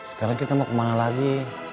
sekarang kita mau kemana lagi